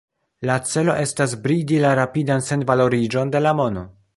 La celo estas bridi la rapidan senvaloriĝon de la mono.